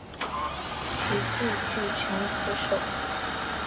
徐揖据城死守。